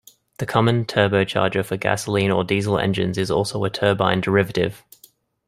The common turbocharger for gasoline or diesel engines is also a turbine derivative.